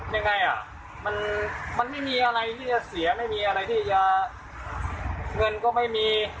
ยังไงอ่ะมันไม่มีอะไรที่จะเสียไม่มีอะไรที่จะเงินก็ไม่มี